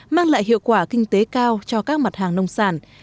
mang lại hiệu quả kinh tế cao cho các mặt hàng nông sản